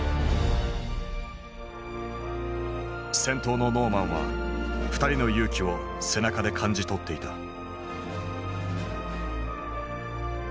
先頭のノーマンは２人の勇気を背中で感じ取っていた。